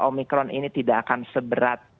omikron ini tidak akan seberat